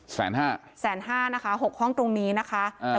แสนห้าแสนห้านะคะหกห้องตรงนี้นะคะอ่า